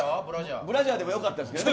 ブラジャーでも良かったですけどね。